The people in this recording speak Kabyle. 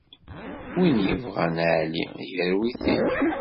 Win yebɣan Ɛli yarew-it-id.